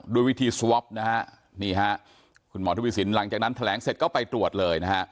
ด้วยวิธีสวอปนะฮะนี่ฮะคุณหมอทวีสินหลังจากนั้นแถลงเสร็จก็ไปตรวจเลยนะฮะ